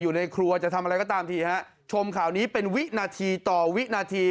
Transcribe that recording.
อยู่ในครัวจะทำอะไรก็ตามทีฮะชมข่าวนี้เป็นวินาทีต่อวินาที